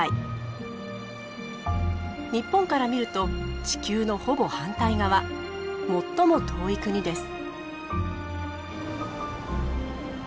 日本から見ると地球のほぼ反対側最も遠い国です。